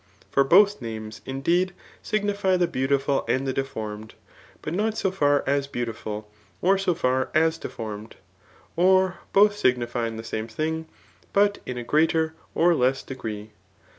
For both names^ indeed, signify the beautiful and the deformed ; but not so £ar as beautiful, or so ^ as deformed. Or both sig« nify the same things, but in a greater or less degree.